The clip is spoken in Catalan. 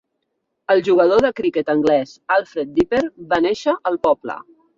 El jugador de criquet anglès Alfred Dipper va néixer al poble.